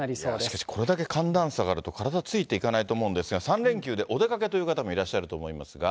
しかしこれだけ寒暖差があると、体ついていかないと思うんですが、３連休でお出かけという方もいらっしゃると思いますが。